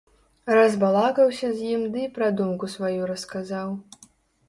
Разбалакаўся з ім ды і пра думку сваю расказаў.